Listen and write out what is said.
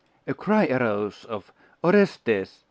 A cry arose of 'Orestes!